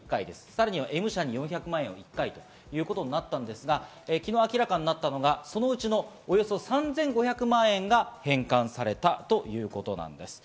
さらにＭ社に４００万円、１回ということになったんですが、昨日明らかになったのがその内のおよそ３５００万円が返還されたということです。